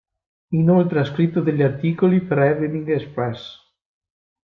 Inoltre ha scritto degli articoli per "Evening Express".